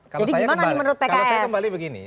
kalau saya kembali begini